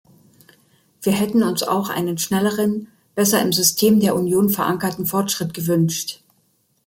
Wir hätten uns auch einen schnelleren, besser im System der Union verankerten Fortschritt gewünscht.